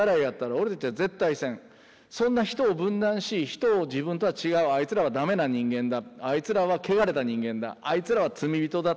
そんな人を分断し人を自分とは違うあいつらはダメな人間だあいつらはけがれた人間だあいつらは罪人だ